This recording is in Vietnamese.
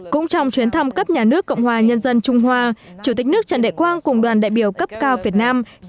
cũng trong chuyến thăm cấp nhà nước cộng hòa nhân dân trung hoa chủ tịch nước trần đại quang cùng đoàn đại biểu cấp cao việt nam